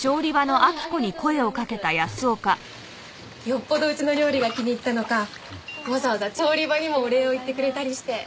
よっぽどうちの料理が気に入ったのかわざわざ調理場にもお礼を言ってくれたりして。